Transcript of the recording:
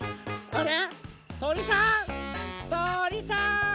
あれ？